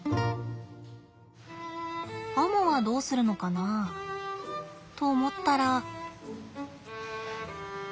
アモはどうするのかなあと思ったら。